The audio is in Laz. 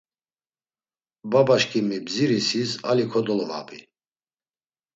Babaşǩimi bdzirisis ali kodolovabi.